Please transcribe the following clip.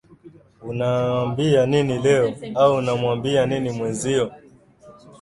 unawaambia nini leo au unamwambia nini mwenzio